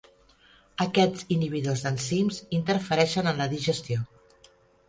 Aquests inhibidors d’enzims interfereixen en la digestió.